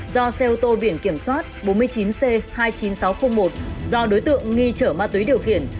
do xe ô tô biển kiểm soát bốn mươi chín c hai mươi chín nghìn sáu trăm linh một do đối tượng nghi chở ma túy điều khiển